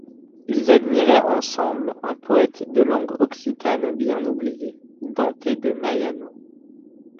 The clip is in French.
Ils admiraient ensemble un poète de langue occitane bien oublié, Dante de Maiano.